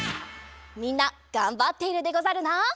みんながんばっているでござるな！